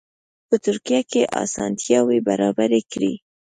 په ترکیه کې اسانتیاوې برابرې کړي.